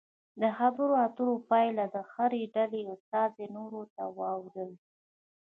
د خبرو اترو پایله دې د هرې ډلې استازي نورو ته واوروي.